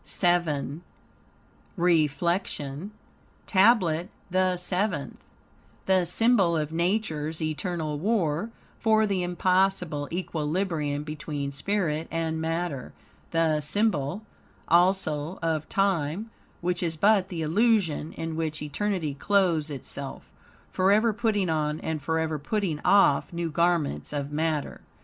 VII REFLECTION TABLET THE SEVENTH The symbol of Nature's eternal war for the impossible equilibrium between spirit and matter; the symbol, also, of Time, which is but the illusion in which eternity clothes itself; forever putting on and forever putting off new garments of matter.